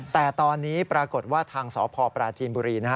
แต่ตอนนี้ปรากฏว่าทางสพปราจีนบุรีนะฮะ